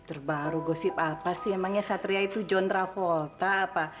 dan uang papa dan bantuan papa